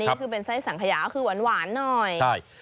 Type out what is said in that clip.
อันนี้คือเป็นไส้สังขยาคือหวานหน่อย